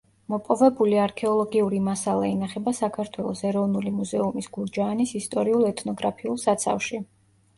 მოპოვებული არქეოლოგიური მასალა ინახება საქართველოს ეროვნული მუზეუმის გურჯაანის ისტორიულ-ეთნოგრაფიულ საცავში.